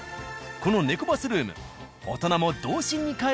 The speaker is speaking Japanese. このネコバスルームいいねぇ。